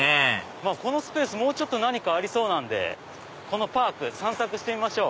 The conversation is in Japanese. まぁこのスペースもうちょっと何かありそうなんでこのパーク散策してみましょう。